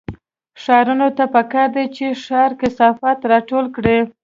ښاروالۍ ته پکار ده چې ښاري کثافات راټول کړي